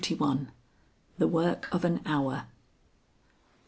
XLI. THE WORK OF AN HOUR.